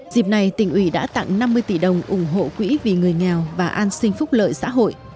dịp này tỉnh ủy đã tặng năm mươi tỷ đồng ủng hộ quỹ vì người nghèo và an sinh phúc lợi xã hội